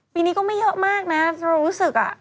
ปีนี้ก็ไม่เยอะมากนะเรารู้สึกอ่ะ